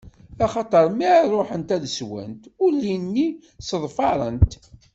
Axaṭer mi ara ṛuḥent ad swent, ulli-nni sseḍfarent.